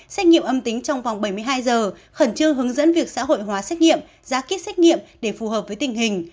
xét nghiệm âm tính trong vòng bảy mươi hai giờ khẩn trương hướng dẫn việc xã hội hóa xét nghiệm ra kích xét nghiệm để phù hợp với tình hình